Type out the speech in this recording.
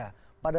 pada saat kan